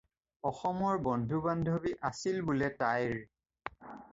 অসমৰ বন্ধু বান্ধৱী আছিল বোলে তাইৰ।